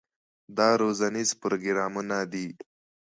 دا روزنیز پروګرامونه دي.